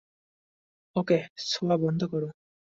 ওকে ছোঁয়া বন্ধ কর!